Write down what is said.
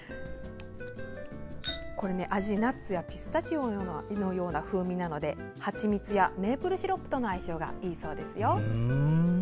味、ナッツやピスタチオのような風味なのではちみつやメープルシロップとの相性がいいそうです。